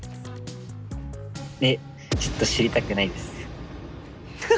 えっちょっと知りたくないです。